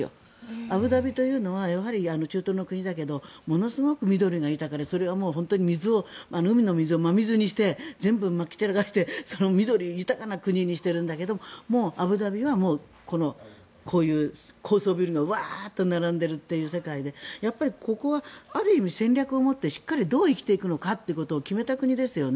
アブダビというのはやはり中東の国だけどものすごく緑が豊かで海の水を真水にして全部まき散らかして豊かな国にしてるんだけどもうアブダビはこういう高層ビルがワーッと並んでいるという世界でここはある意味、戦略を持ってどう生きていくのかを決めた国ですよね。